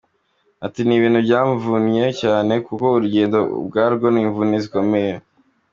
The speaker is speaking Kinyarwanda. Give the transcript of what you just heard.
Ati “Ni ibintu byamvunnye cyane kuko urugendo ubwarwo ni imvune zikomeye.